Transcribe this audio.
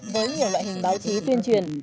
với nhiều loại hình báo chí tuyên truyền